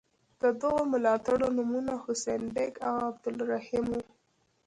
د دغو ملاتړو نومونه حسین بېګ او عبدالرحیم وو.